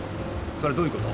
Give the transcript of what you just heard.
それどういうこと？